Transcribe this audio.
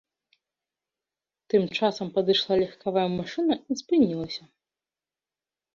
Тым часам падышла легкавая машына і спынілася.